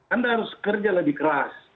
anda harus kerja lebih keras